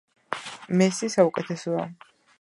მესი საუკეთესოა.